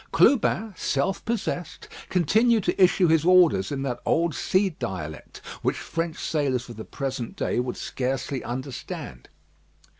Clubin, self possessed, continued to issue his orders in that old sea dialect, which French sailors of the present day would scarcely understand.